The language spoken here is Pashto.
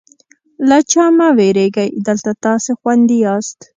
له چا مه وېرېږئ، دلته تاسې خوندي یاست.